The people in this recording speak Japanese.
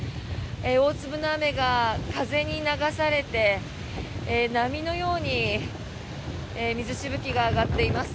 大粒の雨が風に流されて波のように水しぶきが上がっています。